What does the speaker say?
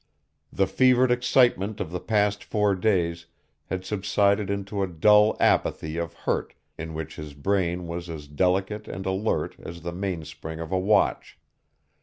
The fevered excitement of the past four days had subsided into a dull apathy of hurt in which his brain was as delicate and alert as the mainspring of a watch.